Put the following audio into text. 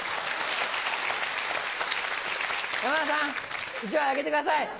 山田さん１枚あげてください。